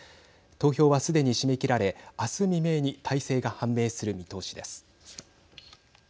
投票は、すでに締め切られあす未明に大勢が判明する見通しです。